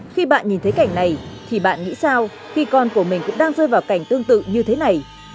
khi bạn nhìn thấy cảnh này thì bạn nghĩ sao khi con của mình cũng đang rơi vào cảnh tương tự như thế này